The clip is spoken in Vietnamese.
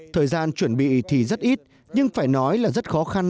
thời gian chuẩn bị thì rất ít nhưng phải nói là rất khó khăn